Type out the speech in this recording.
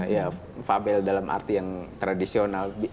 ya fabel dalam arti yang tradisional